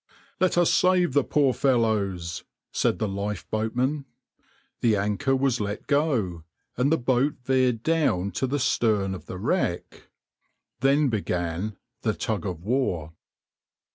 "Let us save the poor fellows," said the lifeboatmen. The anchor was let go, and the boat veered down to the stern of the wreck. Then began the tug of war.